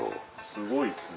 すごいですね。